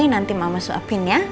nanti mama suapin ya